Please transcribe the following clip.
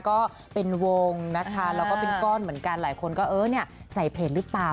ก็เป็นวงนะคะแล้วก็เป็นก้อนเหมือนกันหลายคนก็เออเนี่ยใส่เพจหรือเปล่า